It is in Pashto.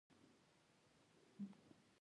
تالابونه د افغانانو د ګټورتیا یوه مهمه برخه ده.